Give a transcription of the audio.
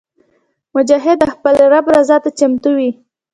مجاهد د خپل رب رضا ته چمتو وي.